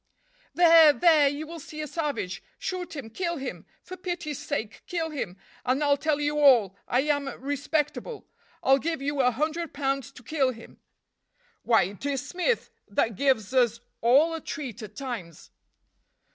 "There! there! you will see a savage! Shoot him! kill him! For pity's sake kill him, and I'll tell you all! I am respectable. I'll give you a hundred pounds to kill him!" "Why, it is Smith, that gives us all a treat at times."